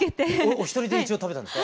お一人で食べたんですか？